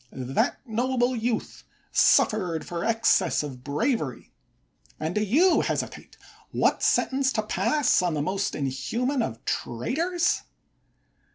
That noble youth suffered for excess of bravery ; and do you hesitate what sentence to pass on the most inhuman of traitors